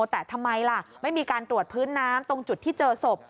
แต่ทำไมล่ะไม่มีการตรวจพื้นน้ำตรงจุดที่เจอศพ